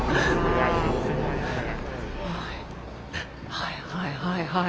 はいはいはいはい。